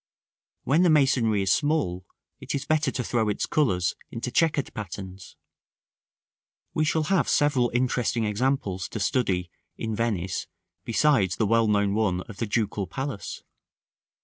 When the masonry is small, it is better to throw its colors into chequered patterns. We shall have several interesting examples to study in Venice besides the well known one of the Ducal Palace.